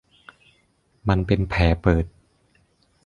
มันเป็นแผลเปิด